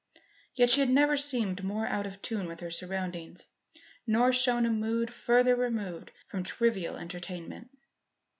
Yet she had never seemed more out of tune with her surroundings nor shown a mood further removed from trivial entertainment.